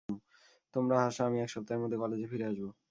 তোমরা হাসো, আমি এক সপ্তাহের মধ্যে কলেজে ফিরে আসব।